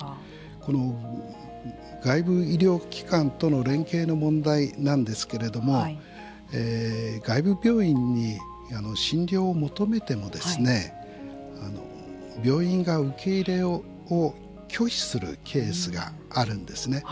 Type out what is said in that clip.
この外部医療機関との連携の問題なんですけれども外部病院に診療を求めても病院が受け入れを拒否するケースがあるんですね。